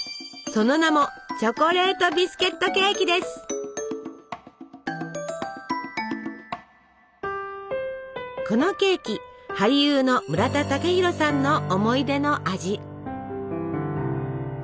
その名もこのケーキ俳優の村田雄浩さんの思い出の味。